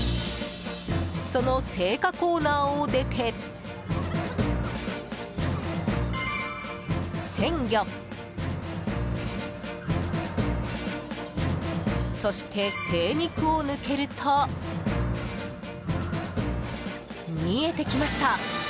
その青果コーナーを出て鮮魚、そして精肉を抜けると見えてきました。